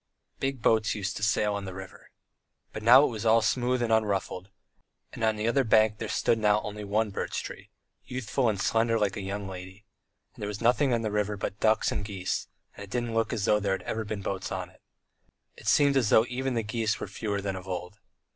Big boats used to sail on the river. But now it was all smooth and unruffled, and on the other bank there stood now only one birch tree, youthful and slender like a young lady, and there was nothing on the river but ducks and geese, and it didn't look as though there had ever been boats on it. It seemed as though even the geese were fewer than of old.